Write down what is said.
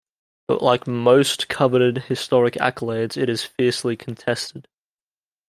But like most coveted historic accolades, it is fiercely contested.